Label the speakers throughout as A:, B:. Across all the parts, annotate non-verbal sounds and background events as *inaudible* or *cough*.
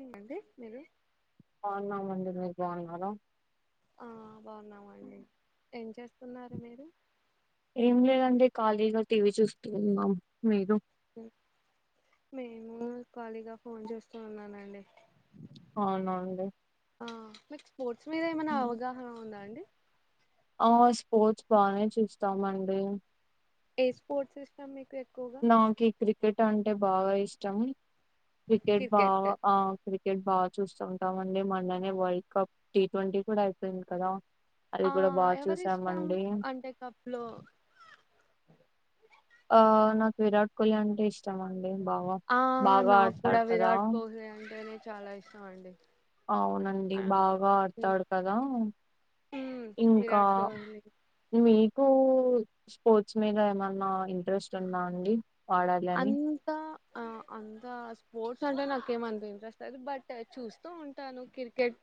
A: *inaudible* అండి మీరు
B: బాగున్నామండి మీరు బాగున్నారా
A: ఆ బాగున్నామండి ఏం చేస్తున్నారు మీరు
B: ఏం లేదండి ఖాళీగా టీవీ చూస్తు ఉన్నాం, మీరు?
A: నేను ఖాళీగా ఫోన్ చేస్తూ ఉన్నానండి.
B: అవునండి.
A: ఆ మీకు ఫోర్ మీద ఏమైనా అవగాహన ఉందా అండి?
B: ఆ స్పోర్ట్స్ బానే చూస్తామండి.
A: ఏ స్పోర్ట్స్ ఇష్టం మీకు? ఎక్కువగా
B: నాకి క్రికెట్ అం టే బాగా ఇష్టం. క్రికెట్ బాగా ఆ క్రి క్రికెట్ బాగా చూస్తుంటా మండి, మొన్ననే వరల్డ్ కప్ టీ ట్వంటీ కూడా అయిపోయింది కదా. అది
A: ఆ
B: కూడా బాగా
A: ఎవరి ఇష్టం
B: చూసామండి
A: అంటే కప్ లో?
B: ఆ నాకు విరాట్ కోహ్లీ అంటే ఇష్టం అం. బాగా
A: ఆ
B: బాగా
A: నాకు కూడా
B: ఆడుతాడు కదా.
A: విరాట్ కోహ్లీ అంటేనే చాలా ఇష్టం అండి.
B: అవునండి
A: ఆ
B: బాగా ఆడతాడు కదా,
A: ఉమ్
B: ఇంకా
A: విరాట్ కోహ్లీ
B: మీ కు ఇష్టంమోచ్చినై మీద ఏమన్నా ఇంట్రెస్ట్ ఉందా అండి? వాడాలి అని
A: అంతా ఆ అంతా స్పోర్ట్స్ అంటే నాకేం అంతా ఇంట్రెస్ట్ లేదు, బట్ చూస్తూ ఉంటాను క్రికెట్,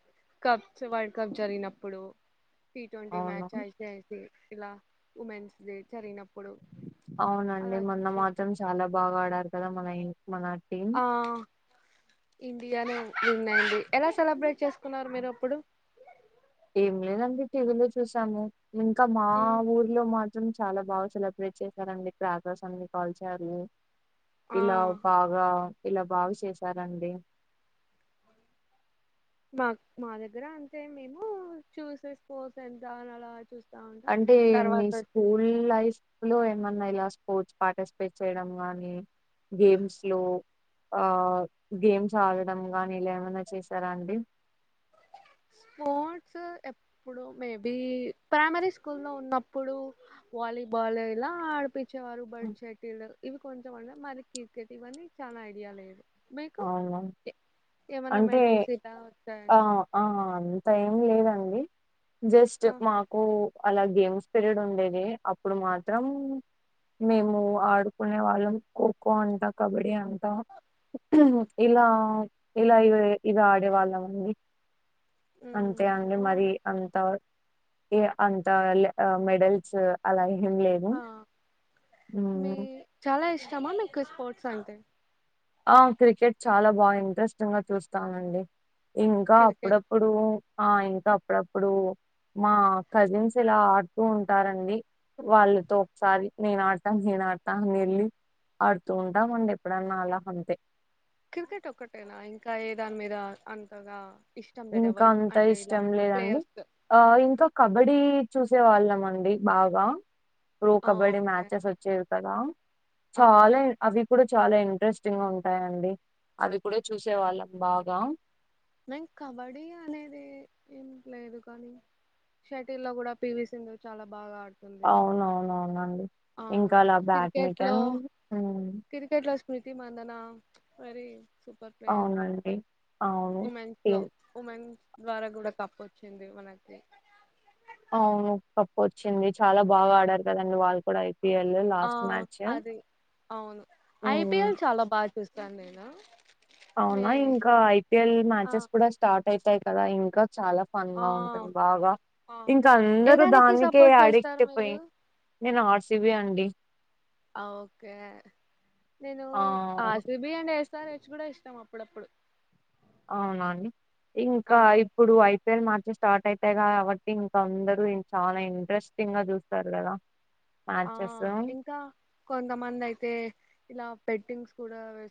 A: కప్స్ వరల్డ్ కప్ జరిగినప్పుడు. టి ట్వంటీ
B: అవును
A: match I C I C ఇలా ఉమెన్స్ డే జరిగినప్పుడు
B: అవునండి
A: అలా
B: మొన్న
A: చూస్తూ.
B: మాత్రం చాలా బాగా ఆడారు కదా మన ఇం
A: ఆ ఇండియాని నున్నయండి ఎలా సెలబ్రేట్ చేసుకున్నారు మీరు అప్పుడు?
B: ఏం లేదండి టీవీలో చూసాము. ఇంకా మా
A: ఉమ్,
B: ఊర్లో మాత్రం చ్ చాలా బాగా సెలబ్రేట్ చేసారండి క్రాకెర్స్ అన్ని కాల్చారు.
A: ఆ
B: ఇలా బాగా ఇలా బాగు చేసారండి.
A: నాక్ మా దగ్గర అంతే మేము చూసేస్కో ఎంత అని అలా చూస్
B: అంటే మీ స్కూల్ లైఫ్ లో ఏమన్నా లాస్ స్పోర్ట్స్ పార్టిసిపేట్ చేయడం గానీ, గేమ్స్ లో ఆ గేమ్స్ ఆడడం గానీ ఇలా ఏమనా చేసారా అండి?
A: స్పోర్ట్స్ ఎప్పుడు మేబి ప్రైమరీ స్కూల్ లో ఉన్నప్పుడు, వాలీబాల్ ఇలా ఆడిపి చేవారు బల్డ్ చెటిల్ ఇవి కొంచెం అన్నా మరి క్రికెట్ ఇవన్నీ చాలా ఐడియా లేదు. మీకు
B: అవునా
A: ఏమనా
B: అంటే
A: మెడల్స్ ఇద
B: ఆ
A: వచ్చాయండి
B: ఆ అంత ఏం లేదండి జస్ట్
A: ఆ
B: మాకు అలా గేమ్స్ పీరియడ్ ఉండేది అప్పుడు మాత్రం మేము ఆడుకునే వాళ్ళం ఖోఖో అంట కబడ్డీ అంట
A: ఉమ్
B: ఇలా ఇలా ఇగొ ఇది ఆడేవాళ్ళ మండి
A: ఉమ్
B: అంతే అండి
A: అవునా?
B: మరి అంత ఇగ అంత ల్ మెడల్స్ అలా ఏం లేదు
A: ఆ
B: హ్మ్.
A: మీ చాలా ఇష్టం ఇష్టమా మీకు స్పోర్ట్స్ అంటే
B: ఆ క్రికెట్ చాలా బాగా ఇంట్రెస్టింగ్ గా చూస్తానండి ఇంకా
A: క్రికెట్
B: అప్పుడప్పుడూ ఆ ఇంకా అప్పుడప్పుడు మా కజిన్స్ ఇలా ఆడుతూ ఉంటారండి వాళ్ళతో ఒకసారి నేను ఆడతాను నేను ఆడతా అని వెళ్ళి ఆడుతూ ఉంటామండి ఎప్పుడన్నా అలా అంతే
A: కిర్కెట్ ఒక్కటేనా ఇంకా ఏ దాని మీద అంతగా ఇష్టం లేదు
B: ఇంకా
A: ఎవరు
B: అంత
A: అంటే ఇలా
B: ఇష్టం లేదండి
A: ప్లేయర్స్
B: ఆ ఇంకా కబడి చూసే వాళ్ళం అండి బాగా ప్రో కబడ్డీ
A: ఓకే
B: మ్యాచెస్ వచ్చేవి కదా
A: ఆ
B: చాలా అవి ఇప్పుడు చాలా ఇంట్రెస్టింగ్గా ఉంటాయిండి అవి కూడా చూసే వాళ్ళం బాగా
A: మేం కబడ్డీ అనేది ఏం లేదు కానీ షటిల్ లో కూడా పివి సింధు చాలా బాగా ఆడ
B: అవునవునవునండి
A: అవును
B: ఇంకా అలా
A: క్రికెట్ లో
B: బ్యాడ్మిటన్
A: క్రికెట్ లో స్మృతి మందన మరీ
B: అవునండి అవు
A: ఉమెన్స్ లో ఉమెన్స్ ద్వారా కూడా కప్పు వచ్చింది మనకి
B: అవును కప్పు వచ్చింది చాలా బాగా ఆడారు కదండి వాళ్ళు కూడా అయితే.
A: ఆ అదే అవును
B: హ్మ్.
A: ఐపిఎల్ చాలా బాగా చూస్తు తన్నేనా
B: అవునా ఇంకా ఐపీఎల్
A: ఆ
B: మ్యాచెస్ కూడా స్టార్ట్ అయితాయి కదా ఇంకా చాలా ఫన్
A: ఆ
B: గా ఉంటుంది బాగా
A: ఆ
B: ఇంకా అందరు
A: ఏదానికి
B: దానికే
A: సపోర్ట్ చేస్తారు
B: అడిక్ట్ పోయి
A: మీరు
B: నేను ఆర్ట్స్ సివి అండి
A: అఓకే నేను
B: ఆ!
A: ఆర్సీబీ అండి సారి వేచ్చి కూడా ఎసినం అప్పుడప్పుడు
B: అవునండి
A: ఆ
B: ఇంకా ఇప్పుడు అయి ఏప్రిల్ మార్చి స్టార్ట్ అయితాయి కాబట్టి ఇంక అందరు చానా ఇంట్రెస్టింగ్ గా చూస్తారు కదా
A: ఆ
B: మ్యాచెస్
A: ఇంకా కొంతమంది అయితే ఇలా బెట్టింగ్స్ కూడా వె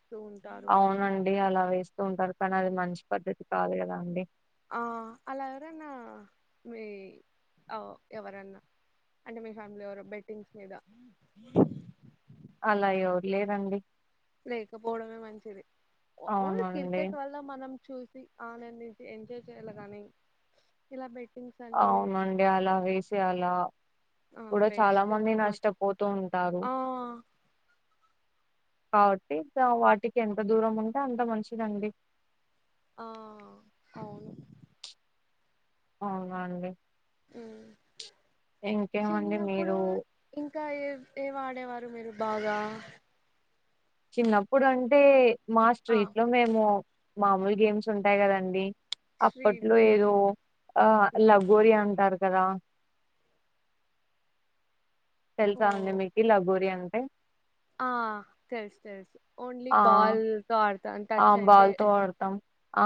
B: అవునండి అలా వేస్త ఉంటారు కానీ అది మంచి పద్ధతి కాదు కదా అండి
A: ఆ అలా ఎవరన్నా మీ ఓ ఎవరన్నా అంటే మీ ఫ్యామిలీ ఎవరో బెట్టింగ్స్ మీద
B: అలా ఎవరు లేరండి
A: లేకపోవడమే మంచిది ఓన్లీ
B: అవునండి
A: క్రికెట్ వల్ల మనం చూసి ఆనందించి ఎంజాయ్ చేయాలగాని ఇలా పెట్టి
B: అవునండి అలా వేసే అలా
A: ఆ
B: కూడా చాలా
A: వేస్ట్
B: మంది
A: ఆఫ్ మనీ
B: నష్టపోతూ ఉంటారు
A: ఆ
B: కాబట్టి వాటికి ఎంత దూరం ఉంటే అంత మంచిదండి
A: ఆ అవును
B: అవునండి
A: హు
B: ఇంకేమండి
A: చిన్నప్పుడు
B: మీరు
A: ఇంకా ఏ ఏ వాడేవారు మీరు బాగా
B: చిన్నప్పుడు అంటే మా
A: ఆ
B: స్ట్రీట్ లో మేము మామూలు గేమ్స్ ఉంటాయి కదండి
A: శ్రీ
B: అప్పట్లో ఏదో ఆ లగోరి అంటారు కదా
A: ఓ
B: తెలుసా అండి మీకి లగోరి ఆ *inaudible*
A: ఆ తెలుసు తెలుసు ఓన్లీ
B: ఆ
A: బాల్ తో ఆడు
B: ఆ బాల్ తో ఆడతాం ఆ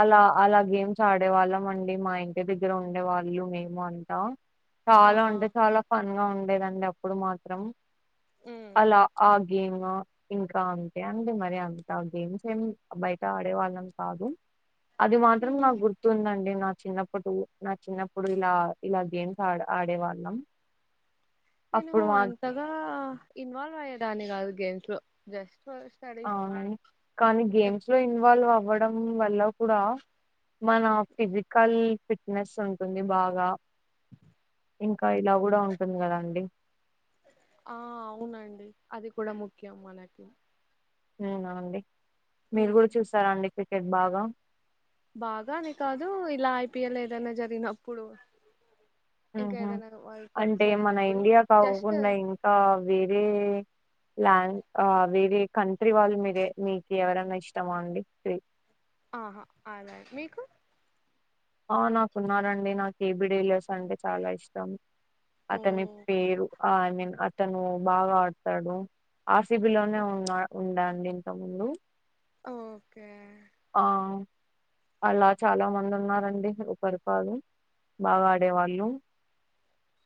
B: అలా అలా గేమ్స్ చా ఆడే వాళ్ళం అండి మా ఇంటి దగ్గర ఉండే వాళ్ళు మేము అంట
A: ఆ
B: చాలా అంటే చాలా ఫన్ ఉండేదండి అప్పుడు మాత్రం
A: ఉమ్
B: అలా ఆ గేమ్ ఇంకా అంతే అండి మరి అంత గేమ్ ఏం బయట ఆడేవాళ్ళం కాదు అది మాత్రం
A: ఉమ్.
B: నాకు గుర్తుందండి నా చిన్నప్పుడు నా చిన్నప్పుడు ఇలా ఇలా గేమ్స్ ఆ ఆడే వాళ్ళళం
A: నేను అంతగా ఇన్వాల్వ్ అయ్యేదాన్ని కాదు గేమ్స్ త్రో జస్ట్ స్టడీస్
B: అవున కానీ గేమ్స్ లో ఇన్వాల్వ్ అవ్వ ఇవ్వడం వల్ల కూడా మన ఫిజికల్ ఫిట్నెస్ ఉంటుంది బాగా
A: అ
B: ఇంకా ఇలా కూడా ఉంటుంది. కదా అండి
A: ఆ అవునండి అది కూడా ముఖ్యం మనకి
B: ఉ నా అండి. మీరు
A: ఉమ్
B: కూడా చూస్తారా అండి పే క్రికెట్ బాగా
A: బాగా అనే కాదు ఇలా ఐపీఎల్ ఏదైనా జరిగినప్పుడు ఇంకా
B: ఊహుం
A: ఏదైనా వరల్డ్ కప్
B: అంటే మన
A: జరిగినప్పుడు
B: ఇండియా కాకుక్
A: జస్ట్
B: ఉండా ఇంకా వేరే ల్యాండ్ ఆ వేరే కంట్రీ వాళ్ళు మీరే మీకు ఎవరైనా ఇష్టమ అండి
A: ఆహా అద మీకు
B: ఆ నాకున్నారండి నాకు ఏబి డీలర్స్ అంటే చాలా ఇష్టం.
A: ఓ
B: అతని పేరు ఆ ఐ మీన్ అతను బాగా ఆడతాడు. ఆర్ సి బి లోనే ఉన్నా ఉండేండి ఇంత ముందు
A: ఓకే
B: ఆ అలా చాలా మంది ఉన్నారన్ దేహి ఉ పరిపాల్ బాగా ఆడేవాళ్ళు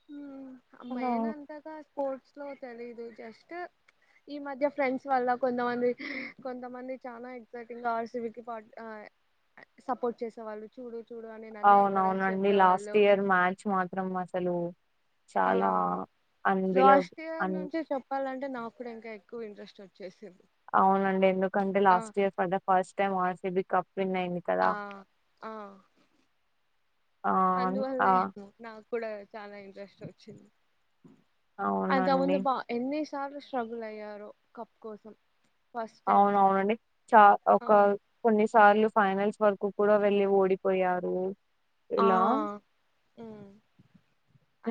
A: హ్మ్
B: అలా
A: ఆమేన్ అంతగా స్పోర్ట్స్ తెలిదు జస్ట్ ఈ మధ్య ఫ్రెండ్స్ వల్ల కొంతమంది కొంతమంది చాలా exciting R C B support చేసేవాళ్ళు చూడు చూడు అని నన్నే ఎంకరేజ్
B: అవునవునండి లాస్ట్
A: చేసేవాళ్ళు
B: ఇయర్ మ్యాచ్ మాత్రం అసలు
A: ఆ
B: చాలా అన్బిలవ్ అన్
A: అంటే నాకు కూడా ఇంకా ఎక్కువ ఇంట్రెస్ట్ వచ్చేసింది.
B: అవునండి ఎందుకంటే
A: ఆ
B: last year for the first time R C B
A: ఆ ఆ
B: ఆ ఆ
A: అందువల్లే నాకు కూడా చాలా ఇంట్రెస్ట్ చీ అంత
B: అవునండి
A: ముందు పా ఎన్నిస్ చాలా స్ట్రగుల్ అయ్యారు కప్ కోసం ఫస్ట్ టైం
B: అవునువును అండి చా
A: ఆ
B: ఒక కొన్ని సార్లు ఫైనల్స్ వరకు కూడా వెళ్ళి ఓడిపోయారు.
A: ఆ
B: ఇలా
A: మ్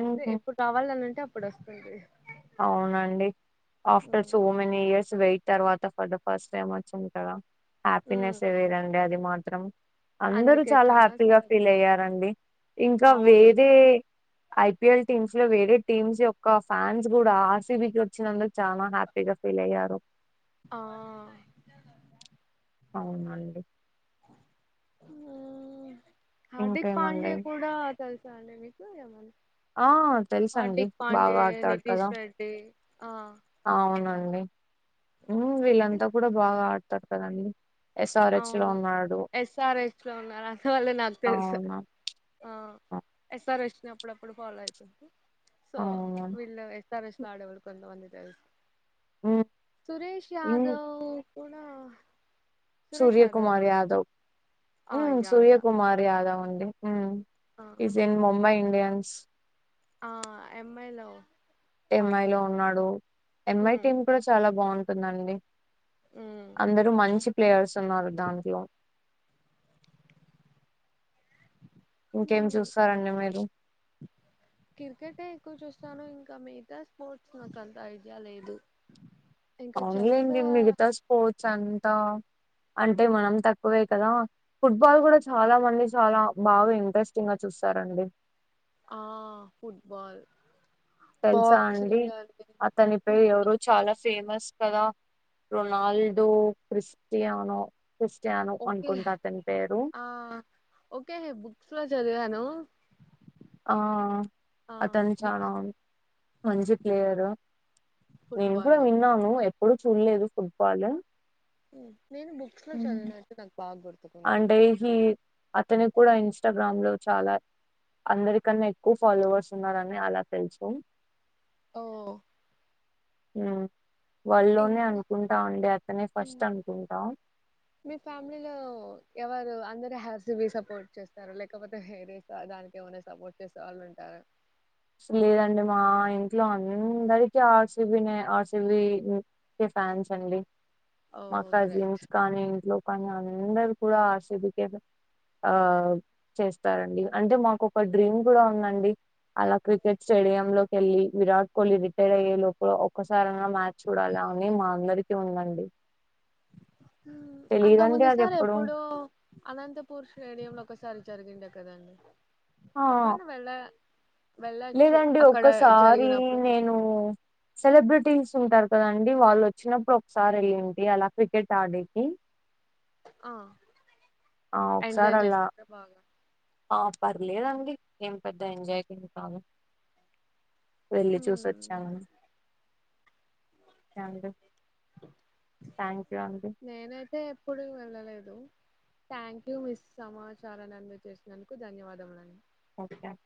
A: అంటే ఎప్పుడు కావాలి అనింటే పడేస్తుంది.
B: అవునండి after
A: um,
B: so many years స్ వెయిట్ తర్వాత ఫర్ ద ఫస్ట్ టైం వచ్చింది కదా
A: ఉమ్.
B: హ్యాపీనెస్ ఏ వేరండి అది మాత్రం అందరూ
A: అందుకే
B: చాలా హ్యాపీగా
A: చాలా
B: ఫీల్ అయ్యారండి ఇంకా
A: అవును
B: వేరే ఐపీఎల్ టీమ్స్ లో వేరే టీమ్స్ యొక్క ఫ్యాన్స్ కూడా ఆర్సిబికి వచ్చినందు చాలా హ్యాపీగా ఫీల్ అయ్యారు
A: ఆ
B: అవునండి
A: హ్మ్మ్ హార్దిక్
B: ఇంకేమండి
A: పండ్యే కూడా తెలుసా అండి మీకు ఏమన్నా
B: ఆ తెలుస అండి
A: హార్దిక్ పాండే
B: బాగా ఆడతాడు
A: నితీష్
B: కదా
A: రెడ్డి ఆ
B: అవునండి వీళ్ళంతా
A: ఇలా
B: కూడా బాగా ఆడ తతదండి
A: అవును ఎస్ఆర్ హెచ్ లో ఉన్నారు అందువల్లే నాకు తెలుసు
B: అవునా
A: ఆ ఎస్ఆర్ హెచ్ అప్పుడప్పుడు ఫాలో అవుతు సో
B: అవునా
A: వీళ్ళ ఎస్అర్ హెచ్ లో ఆడేవాళ్లు కొంత మంది *inaudible* సురేష్ యాదవ్ ఉనా
B: సూర్య కుమార్ యాదవ్
A: ఆ యా
B: సూర్య
A: యా
B: కుమార్ యాదవ్ డి
A: ఆ
B: ఇస్ ఇన్ ముంబై ఇండియన్స్ *inaudible*
A: ఆ ఎమ్ఐలో
B: ఎంఐ లో ఉన్నాడు ఎంఐ
A: ఉమ్
B: టీమ్ కూడా చాలా బాగుంటంది స్తుందండి
A: ఉమ్
B: అందరుూ మంచి ప్లేయర్స్ ఉన్నారు దాంట్లో ఇంకేం
A: ఉమ్
B: చూస్తారండి మీరు
A: సను ఇంకా మిగతా స్పోర్ట్స్ నాకు అంత ఐడియా లేదు ఇంకా చెస్
B: అవున్లైండి మిగతా స్పోర్ట్స్ అంతా అంటే మనం తక్కువే కదా ఫుట్బాల్ కూడా చాలా మంది చాలా బాగా ఇంట్రెస్టింగ్గా చూస్తారండి
A: ఆ ఫుట్బాల్
B: తెలుసా అండి
A: బాక్సింగ్ అని
B: అతనిపైే
A: ఫుట్-
B: ఎవరు చాలా ఫేమస్ కథ రొనాల్డో క్రిస్టియనో
A: ఓకే ఆ ఓకే బుక్స్ లో చదివాను
B: ఆ
A: ఆ
B: అతను చనా
A: బుక్స్
B: మంచి ప్లేయరు నేను
A: ఫుట్బాల్
B: కూడా
A: లో
B: విన్నాను ఎప్పుడు చూడలేదు ఫుట్బాల్
A: ఉ నేను బుక్స్ లో చదివినట్యి నాకు బాగ గుర్తు
B: అడ్సి అతను కూడా ఇన్స్టాగ్రామ్ చాలా అందరికన్నా ఎక్కువ ఫాలోవర్స్ ఉన్నారని అలా తెలుసు
A: ఓ
B: హ వరల్డ్ లోని
A: ఇంకా
B: అనుకుంటాం అండి అతనే
A: ఉమ్,
B: ఫస్ట్ అనుకుంటా
A: మీ ఫ్యామిలీలో ఎవరు అందరు హ సపోర్ట్ చేస్తారు లేకపోతే హర దానికి ఏమనా సపోర్ట్ చేసే వాళ్ళు ఉంటారు
B: లేదండి మా ఇంట్లో అందరికీ ఆర్సిబీ నే ఆర్సిబి ఫ్యాన్స్ అండి
A: ఓ
B: మా
A: గ్రేట్
B: కజిన్స్ కానీ ఇంట్లో కానీ అందరు కూడా ఆర్ సి బి ఆ చేస్తారండి అంటే మాకు ఒక డ్రీమ్ కూడా ఉందండి అలా క్రికెట్ స్టేడియ లోకిళ్ళి విరాట్ కోహ్లీ రిటైర్ అయ్యే లోపల ఒ ఒక్కసారనా మ్యాచ్ చూడాలి అని మా అందరిక ఉందండి
A: అంతకు
B: తెలియదండి
A: ముందు
B: అది
A: సార్ ఎప్పుడు అనంతపూర్ స్టేడియం లో ఒకసారి జరిగిండే కదండి
B: ఆ
A: ఎప్పుడనా వెళ్ళ వెళ్ళచ్చు
B: లేదండి
A: అక్కడ
B: ఒక్కసారి
A: జరిగినప్పుడు
B: నేను సెలబ్రెటీస్ ఉంటారు కదండీ వాళ్ళు వచ్చినప్పుడు ఒకసారి వెళ్ళింటి అలా క్రికెట్ ఆడేకి
A: ఆ
B: ఆ ఒకసారి
A: ఎంజాయ్
B: అల్లా
A: చేస్తారు బాగా
B: ఆ పర్లేదండి ఏం పెద్ద ఎంజాయ్ ఏమి కాదు వెళ్లి చూసి
A: మ్మ్.
B: వచ్చాను స్టాండు
A: నేనైతే ఎప్పుడు వెళ్ళలేదు థాంక్యూ మిస్ సమాచారాన్ని అందజేసినందుకు ధన్యవాదములు అండి
B: ఓకే అండి.